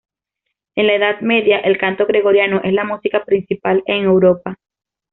En la Edad Media, el canto Gregoriano es la música principal en Europa.